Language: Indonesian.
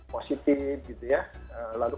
positif gitu ya lalu